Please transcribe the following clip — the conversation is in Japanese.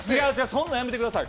そんなんやめてください。